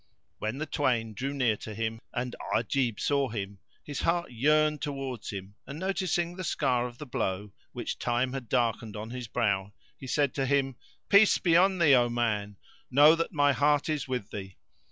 When the twain drew near to him and Ajib saw him, his heart yearned towards him, and noticing the scar of the blow, which time had darkened on his brow, he said to him, "Peace be on thee, O man!" [FN#466] know that my heart is with thee."